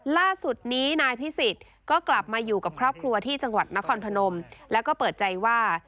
ล่าสุดนี้นายพิสิทธิ์ก็กลับมาอยู่กับครอบครัวที่จังหวัดนครพนมแล้วก็เปิดใจว่า